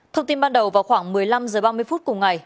thông tin ban đầu vào khoảng một mươi năm h ba mươi phút cùng ngày